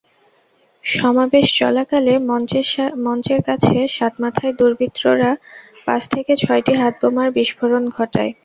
সমাবেশ চলাকালে মঞ্চের কাছে সাতমাথায় দুর্বৃৃত্তরা পাঁচ থেকে ছয়টি হাতবোমার বিস্ফোরণ ঘটায়।